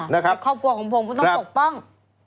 ในครอบครัวของผมก็ต้องปกป้อง